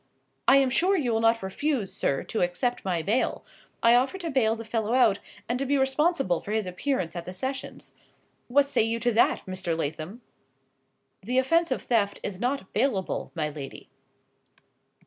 "I am sure you will not refuse, sir, to accept my bail. I offer to bail the fellow out, and to be responsible for his appearance at the sessions. What say you to that, Mr. Lathom?" "The offence of theft is not bailable, my lady."